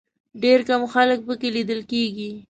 ډېر کم خلک په کې لیدل کېږي.